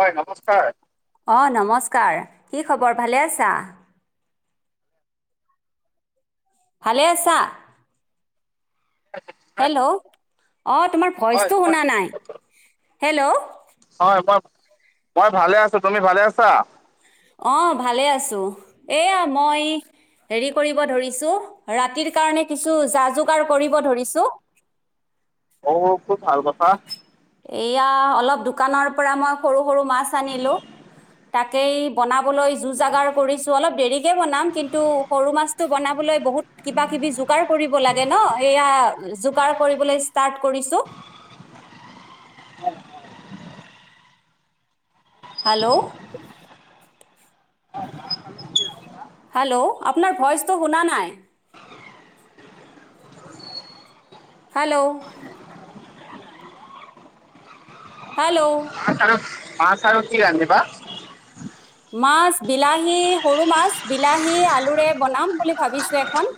হয়, নমস্কাৰ। অ' নমস্কাৰ। কি খবৰ ভালে আছা? ভালে আছা? হেল্ল'? অ' তোমাৰ হয় ভইচটো মই শুনা নাই হেল্ল'? হয়, মই, মই ভালে আছো। তুমি ভালে আছা? অঁ' ভালে আছো, এয়া মই- হেৰি কৰিব ধৰিছো ৰাতিৰ কাৰণে কিছু যা-যোগাৰ কৰিব ধৰিছো। অ' খুব ভাল কথা। এয়া অলপ দোকানৰ পৰা মই সৰু-সৰু মাছ আনিলোঁ, তাকেই- বনাবলৈ যো-জাগাৰ কৰিছো, অলপ দেৰি- দেৰিকে বনাম, কিন্তু সৰু মাছটো বনাবলৈ বহুত কিবা-কিবি যোগাৰ কৰিব লাগে ন' সেয়া- যোগাৰ কৰিবলৈ ষ্টাৰ্ট কৰিছোঁ। হেল্ল'। হেল্ল' আপোনাৰ ভইচটো শুনা নাই। হেল্ল'। হেল্ল'। মাছ আৰু, মাছ আৰু কি ৰান্ধিবা? মাছ, বিলাহী সৰু মাছ, বিলাহী, আলুৰে বনাম বুলি ভাবিছো এখন।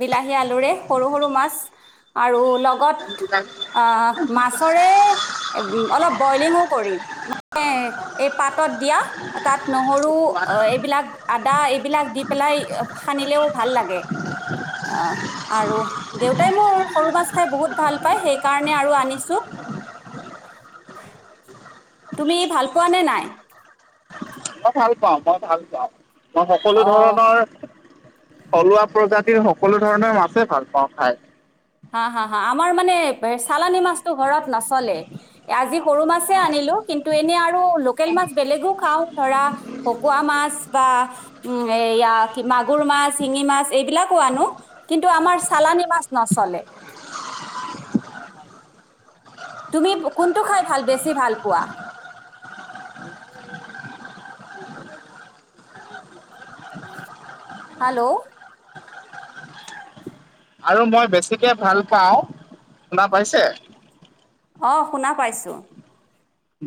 বিলাহী, আলুৰে সৰু-সৰু মাছ, আৰু লগত আহ', - মাছৰে অলপ বইলিংও কৰিম। এ' এই পাত'ত দিয়া। তা'ত নহৰু এইবিলাক আদা এইবিলাক দি পেলাই সানিলেও ভাল লাগে। আহ' আৰু দেউতাই মোৰ সৰু মাছ খাই বহুত ভাল পায়, সেইকাৰণে আৰু আনিছো। তুমি ভাল পোৱা নে নাই? মই ভাল পাওঁ, মই ভাল পাওঁ। মই সকলো অ ধৰণৰ- থলুৱা প্ৰজাতিৰ সকলো ধৰণৰ মাছে ভাল পাওঁ খায়। হাঁ-হাঁ-হাঁ। আমাৰ মানে চালানী মাছতটো ঘৰত নচলে। আজি সৰু মাছে আনিলো, কিন্তু এনেই আৰু লোকেল মাছ বেলেগো খাওঁ ধৰা- ভকোৱা মাছ বা- উমঁ' এইয়া মাগুৰ মাছ, শিঙি মাছ এইবিলাকো আনো। কিন্তু আমাৰ চালানী মাছ নচ'লে। তুমি কোনটো খাই ভাল বেছি ভাল পোৱা? হেল্ল'। আৰু মই বেছিকে ভাল পাওঁ, শুনা পাইছে? অঁ' শুনা পাইছোঁ।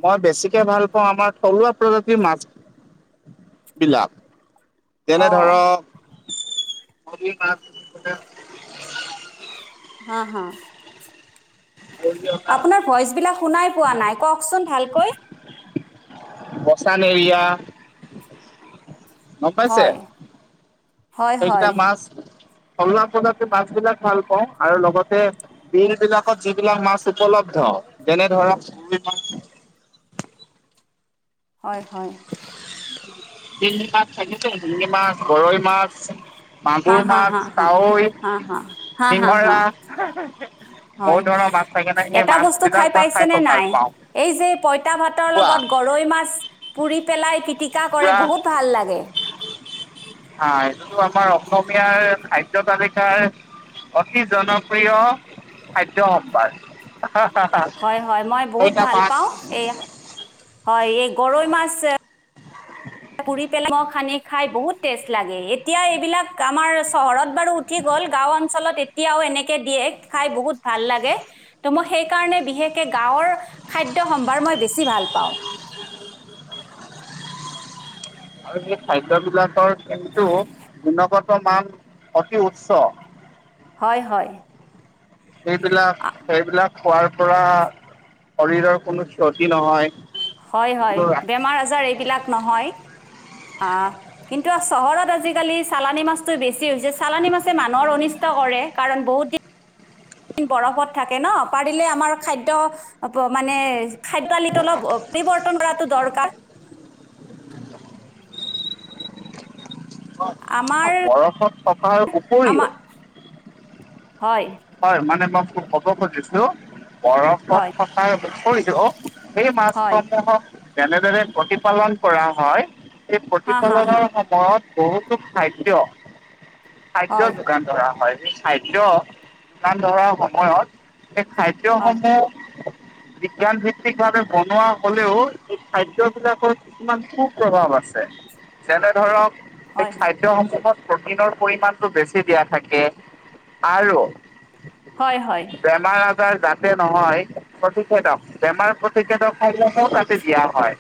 মই বেছিকে ভাল পাওঁ আমাৰ থলুৱা প্ৰজাতিৰ মাছ- বিলাক, যেনে অ ধৰক পুঠি মাছ। হাঁ-হাঁ। আপোনাৰ ভইচ বিলাক শুনাই পোৱা নাই কওঁকচোন ভালকৈ। বচান এৰিয়া। গ'ম পাইছে, হয় হয় সেইকেইটা হয় মাছ থলুৱা প্ৰজাতিৰ মাছ বিলাক ভাল পাওঁ আৰু লগতে- বিল-বিলাকত যিবিলাক মাছ উপলব্ধ, যেনে ধৰক হয়-হয়। শিঙি মাছ থাকেতো শিঙি মাছ, গৈৰৈ মাছ - হা মাগুৰ হা হা মাছ, হা কাৰৈ, হা হা হা হা হা খিঙৰা- হয় বহুত ধৰণৰ মাছ থাকে ন' সেই এটা মাছ বস্তু বিলাক মই খাই খুব ভাল পাওঁ। পইতা ভাতৰ কোৱা লগত গৰৈ মাছ পুৰি পেলাই পিটিকা কৰে বহুত ভাল লাগে। হাঁ, এইটো আমাৰ অসমীয়াৰ কাৰাদ্য তালিকাৰ অতি জনপ্ৰিয় খাদ্য সম্ভাৰ। হা হা হা। হয় হয় মই বহুত পাওঁ এই হয় এই গৰৈ মাছ এ, পুৰি পেলাই ম সানি খাই বহুত টেষ্ট লাগে এতিয়া এইবিলাক আমাৰ চহৰত বাৰু, উঠি গ হ'ল গাঁও অঞ্চলত এতিয়াও এনেকে দিয়ে খাই বহুত ভাল লাগে। ত' মই সেই কাৰণে বিশেষকে গাঁৱৰ খাদ্য সম্ভাৰ মই বেছি ভাল পাওঁ। আৰু সেই খাদ্যবলাকৰ কিন্তু গুণগত মান অতি উচ্চ। হয় হয়। সেইবিলাক, আ সেইবিলাক খোৱাৰ পৰা শৰীৰৰ কোনো ক্ষতি নহয়। হয় হয় কিন্তু বেমাৰ আজাৰ এইবিলাক নহয়। আহ কিন্তু চহৰত আজিকালি চালানী মাছটো বেছি হৈছে চালানী মাছে মানুহৰ অনিষ্ট কৰে কাৰণ বহুত দিন, বৰফত থাকে ন পাৰিলে আমাৰ খাদ্য, অ মানে খাদ্য আলিত অলপ পৰিৱৰ্তন কৰাটো দৰকাৰ। আমাৰ বৰফত থকাৰ আমাৰ উপৰিও, হয় হয় মানে মই খু কব খুজিছো, বৰফত হয় থকাৰ উপৰিও সেই হয় মাছসমূহক, যেনেদৰে প্ৰতিপালন কৰা হয় সেই হা হা হা প্ৰতিপালনৰ সময়ত, বহুতো খাদ্য খাদ্য হয় যোগান ধৰা হয়, খাদ্য যোগান ধৰা সময়ত এই খাদ্য হয় সমূহ, বিজ্ঞান ভিত্তিক ভাৱে বনোৱা হলেও এই খাদ্য বিলাকৰ, কিছুমান সু প্ৰভাৱ আছে যেনে ধৰক, সেই হয় খাদ্য সমূহত প্ৰটিনৰ পৰিমমানটো বেছি দিয়া থাকে আৰু, [inaudible] হয় হয়। বেমাৰ আজাৰ যাতে নহয় প্ৰতিষেধক। বেমাৰ প্ৰতিষেধক সমূহো তাতে দিয়া হয়।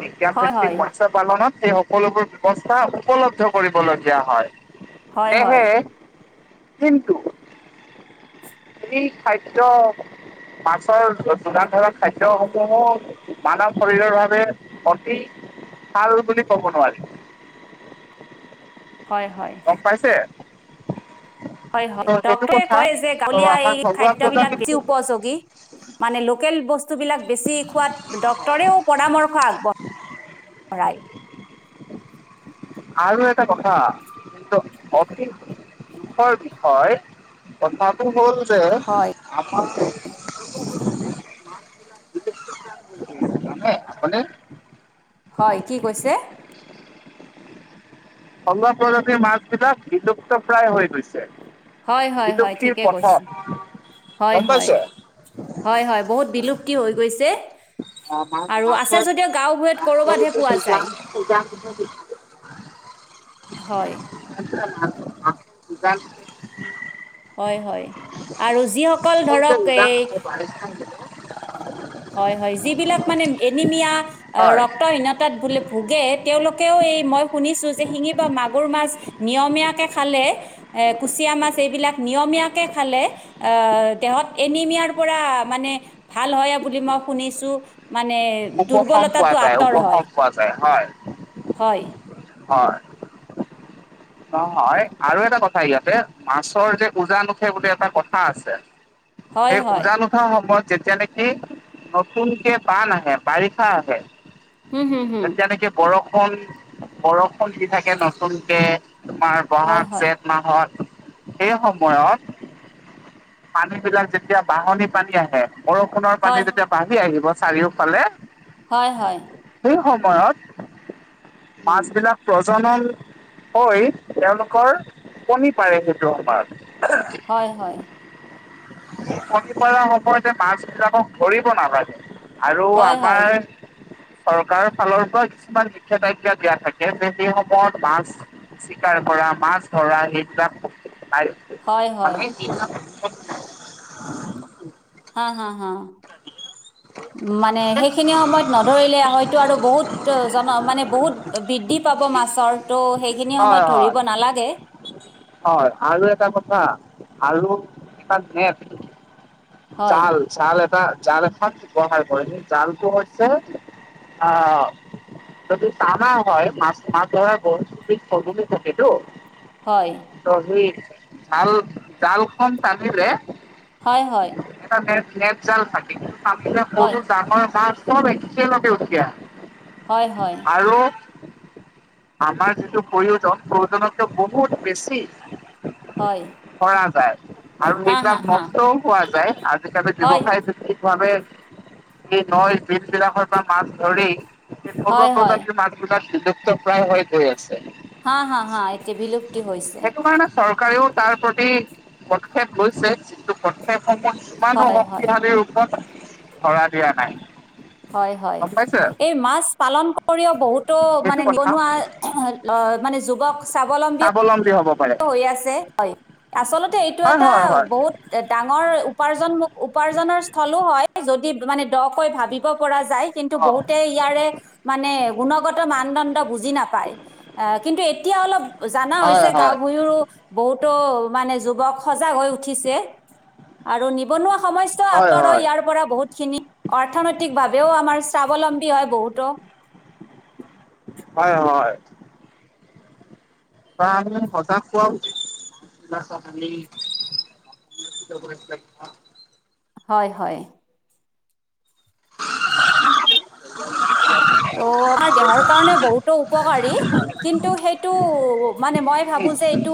বিজ্ঞান ভিত্তিক হয় মৎস্য পালনত সেই সকলোবোৰ ব্যৱস্থা উপলব্ধ কৰিবলগীয়া হয়। হয় হয় সেয়েহে কিন্তু, এই খাদ্য। মাছৰ যোগান ধৰা খাদ্য সমূহো, মানৱ শৰীৰৰ বাবে অতি ভাল বুলি কব নোৱাৰি। [inaudible] হয় হয়। গম পাইছে? হয় হয় ত' সেইটো ডক্টৰে কথা কয় যে ত' গাঁৱলীয়া এই আমাৰ ঘৰুৱা খাদ্য বিলাক প্ৰজাতিত বেছি উপযোগী। মানে লোকেল বস্তুবিলাক বেছি খোৱাত ডক্তৰেও পৰামৰ্শ আগবঢ়ায়। শৰাই। আৰু এটা কথা, এইটো অফি চৰ বিষয় কথাটো হ'ল যে হয় আমাৰ, [unintelligible] মানে আপোনি, হয় কি কৈছে? সংগপ্ৰজাতিৰ মাছবিলাক বিলুপ্তপ্ৰায় হৈ গৈছে। হয় হয় হয় বিলুপ্তিৰ ঠিকে কৈছে পথত হয় গম হয় পাইছে? হয় হয় বহুত বিলুপ্তি হৈ গৈছে। আৰু আছে যদিও গাঁওবোৰত কৰবাতহে [unintelligible] পোৱা যায় [inaudible] হয়। [unintelligible] হয় হয় আৰু যিসকল ধৰক এই [unintelligible] [inaudible] হয় হয় যিবিলাক মানে এনিমিয়া অ হয় ৰক্তহীন তাত বোলে ভোগে তেওঁলোকেও এই মই শুনিছো যে শিঙি বা মাগুৰ মাছ নিয়মীয়াকে খালে, এ কুচিয়া মাছ এইবিলাক নিয়মীয়াকে খালে আহ দেহত এনিমিয়াৰ পৰা মানে ভাল হয় বুলি মই শুনিছো। মানে উপশম পোৱা দুৰ্বলতাটো যায় আঁতৰ হয়, উপশম পোৱা যায় হয় হয়। হয়। নহয় আৰু এটা কথা ইয়াতে মাছৰ যে উজা উঠে বুলি এটা কথা আছে। হয় সেই হয় উজান তা সময়ত যেতিয়া নেকি নতুনকে বান আহে, বাৰিষা আহে। হম হম হম তেতিয়া নেকি বৰষুণ, বৰষুণ দি থাকে নতুনকে তোমাৰ হয় বহাগ, হয় জেঠ মাহত সেই সময়ত পানীবিলাক যেতিয়া বাহনি পানী আহে। বৰষুণৰ হয় পানী যেতিয়া বাঢ়ি আহিব চাৰিওফালে হয় হয়। সেই সময়ত উম মাছবিলাক প্ৰজনন হৈ তেওঁলোকৰ কণী পাৰে সেইটো সময়ত হয় হয় [unintelligible] কনী পাৰা সময়তে মাছবিলাকক ধৰিব নালাগে। আৰু হয় হয় আমাৰ চৰকাৰৰ ফালৰ পৰা কিছুমান নিষেধাজ্ঞা দিয়া থাকে যে সেই সময়ত মাছ চিকাৰ কৰা মাছ ধৰা সেইবিলাক হয় হয় [unintelligible] হা হা হা মানে সেইখিনি সময়ত নধৰিলে হয়তো আৰু বহুত ত' জন মানে বহুত বৃদ্ধি পাব মাছৰ, ত' সেইখিনি হয় সময়ত ধৰিব হয় নালাগে। হয় আৰু এটা কথা আৰু এটা নেট, হয় জাল জাল এটা জাল এখন ব্যৱহাৰ কৰে সেই জালটো হৈছে আ যদি টানা হয় মাছ মাছ ধৰা বহুত বিধ সজুলি থাকেটো। হয়। ত সেই জাল ডালখন টানিলে হয় হয়। এটা নেট নেট জাল থাকে সেইটো টানিলে হয় সৰু - ডাঙৰ মাছ চব একেলগে উঠি আহে। হয় হয়। আৰু আমাৰ যিটো প্ৰয়োজন প্ৰয়োজনতকৈ বহুত বেছি। হয় কৰা যায় আৰু হা হা সেইবিলাক হা নষ্টও কৰা যায়, আজিকালি হয় ব্যৱসায় ঠিক ভাৱে এই নৈ, বিলবিলাকৰ পৰা মাছ ধৰি এতিয়া থলুৱা হয় হয় প্ৰজাতি মাছবিলাক বিলুপ্ত প্ৰায় হৈ গৈ আছে। হা, হা, হা, এতিয়া বিলুপ্তি হৈছে। সেইটো কাৰণে চৰকাৰেও তাৰ প্ৰতি পদক্ষেপ লৈছে যিটো পদক্ষেপসমূহ ইমানো হয় হয় শক্তিশালী ৰূপত ধৰা দিয়া নাই। হয়, হয়, গম পাইছে এই মাছ কৰিও বহুতো সেইটো মানে কথা নিবনুৱা অ', মানে যুৱক স্বাৱলম্বী স্বাৱলম্বী হ'ব। পাৰে হৈ আছে হয় আচলতে এইটো হয় এটা হয় হয় বহুত ডাঙৰ উপাৰ্জন ম উপাৰ্জনৰ স্থলো হয় যদি মানে দ'কৈ ভাবিব পৰা যায়। কিন্তু অ বহুতে ইয়াৰে মানে গুণগত মানদণ্ড বুজি নাপায়। অ', কিন্তু এতিয়া অলপ জানা হয় হৈছে। হয় উপৰিয়ো বহুতো মানে যুৱক সজাগ হৈ উঠিছে। আৰু নিবনুৱা সমস্ তো আঁতৰ হয় ইয়াৰ পৰা বহুতখিনি অৰ্থনৈতিক ভাৱেও আমাৰ স্বাৱলম্বী হয় বহুতো। হয়, হয়। বা আমি সজাগ হোৱা উচিত। [unintelligible] হয়, হয়। ত' আমাৰ দেহৰ কাৰণে বহুতো উপকাৰী। কিন্তু সেইটো মানে মই ভাবো উচিত যে এইটো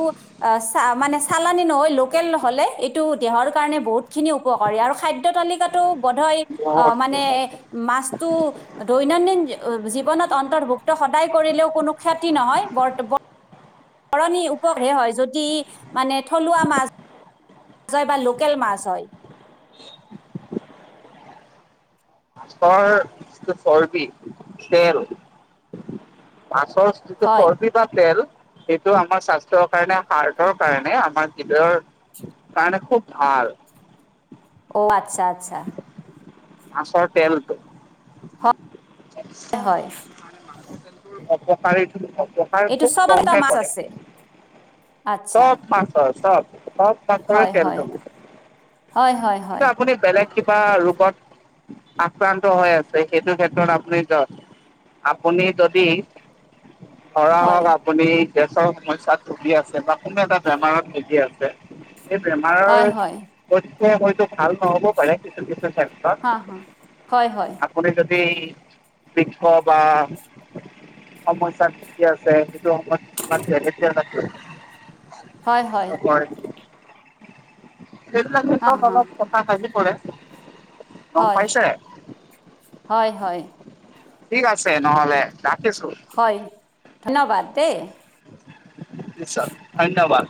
অ', চা মানে চালানি নহয়, লোকেল হ'লে এইটো দেহৰ কাৰণে বহুতখিনি উপকাৰী আৰু খাদ্য তালিকাত টো বদহয় বহুত মানে বহুত মাছটো দৈনন্দিন এ অ', জীৱনত অন্তৰ্ভুক্ত সদায় কৰিলেও কোনো ক্ষতি নহয় বৰ্ত বত সৰণি উপ হে হয় যদি মানে থলুৱা মাছ বা লোকেল মাছ হয়। [inaudible] চৰ যিটো চৰ্বি তেল। মাছ যিটো হয় চৰ্বি তেল সেইটো আমাৰ স্বাস্থ্যৰ কাৰণে হাৰ্টৰ কাৰণে আমাৰ শৰীৰৰ কাৰণে খুব ভাল। অ', আচ্ছা, আচ্ছা। মাছৰ তেলটো [unintelligible] হয়। অপকাৰ অপকাৰ এইটো খুব চবটা কমকে মাছ কৰে। আছে আচ্ছা চব মাছ হয় চব চব। মাছৰে হয়, হয়, তেলটো হয়, হয়। কিন্তু আপুনি বেলেগ কিবা ৰোগত আক্ৰান্ত হৈ আছে সেইটো ক্ষেত্ৰত আপুনি আপুনি যদি ধৰা হয় হওঁক আপুনি গেছৰ সমস্যাত ভূগি আছে বা কোনো এটা বেমাৰত ভূগি আছে। এই হয় বেমাৰৰ হয় হয়তো ভাল নহ'ব পাৰে কিন্তু কিছু ক্ষেত্ৰত হা হা হয় হয় আপুনি যদি বৃক্ষ বা সমস্যাত ভূগি আছে। হয় হয় [unintelligible] সে হা চব হা অলপ কথা ভাজি পৰে। গম হয় পাইছে? হয় হয় ঠিক আছে নহ'লে ৰাখিছো। হয় ধন্যবাদ দেই। [unintelligible] ধন্যবাদ